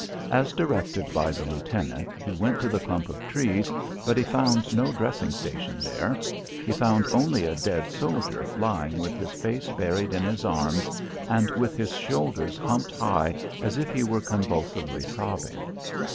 As directed by the lieutenant, he went to the clump of trees, but he found no dressing station there. He found only a dead soldier lying with his face buried in his arms and with his shoulders humped high as if he were convulsively sobbing.